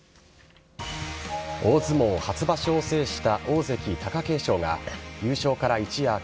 大相撲初場所を制した大関・貴景勝が、優勝から一夜明け、